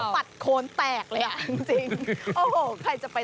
บัดโค้นแตกเลยอย่างนี้